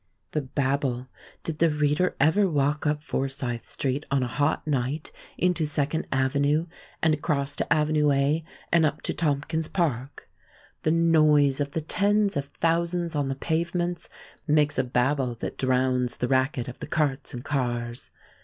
The babel did the reader ever walk up Forsyth Street on a hot night, into Second Avenue, and across to Avenue A, and up to Tompkins Park? The noise of the tens of thousands on the pavements makes a babel that drowns the racket of the carts and cars.